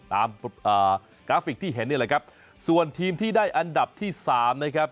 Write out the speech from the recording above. กราฟิกที่เห็นนี่แหละครับส่วนทีมที่ได้อันดับที่สามนะครับ